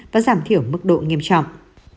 và giảm thiểu mức độ nghiêm trọng